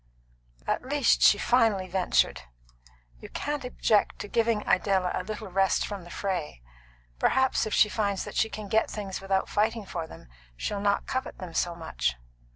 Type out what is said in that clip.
"At least," she finally ventured, "you can't object to giving Idella a little rest from the fray. Perhaps if she finds that she can get things without fighting for them, she'll not covet them so much."